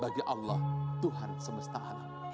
bagi allah tuhan semesta alam